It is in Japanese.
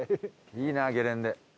いいなゲレンデ。